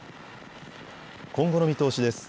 今後の見通しです。